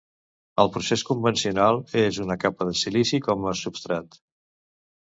El procés convencional és una capa de silici com a substrat.